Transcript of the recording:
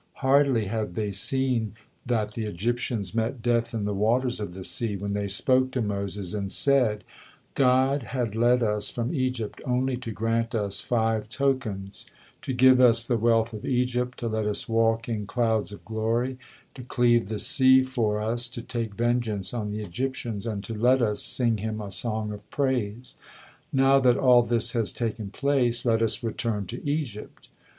Hardly had they seen that the Egyptians met death in the waters of the sea, when they spoke to Moses, and said: "God had led us from Egypt only to grant us five tokens: To give us the wealth of Egypt, to let us walk in clouds of glory, to cleave the sea for us, to take vengeance on the Egyptians, and to let us sing Him a song of praise. Now that all this has taken place, let us return to Egypt."